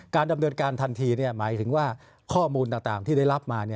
ดำเนินการทันทีหมายถึงว่าข้อมูลต่างที่ได้รับมา